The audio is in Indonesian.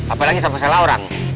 apalagi sama salah orang